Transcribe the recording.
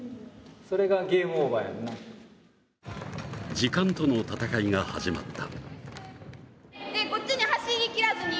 時間との戦いが始まった。